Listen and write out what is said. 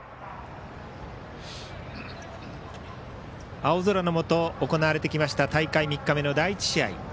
青空のもと行われてきました大会３日目の第１試合。